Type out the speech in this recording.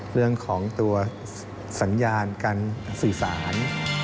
เรื่องของตัวสัญญาณการสื่อสาร